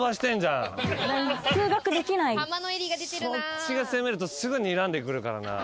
そっち側責めるとすぐにらんでくるからな。